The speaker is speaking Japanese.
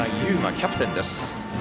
キャプテンです。